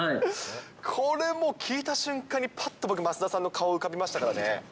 これもう聞いた瞬間に、ぱっと僕、増田さんの顔、浮かびましたからね。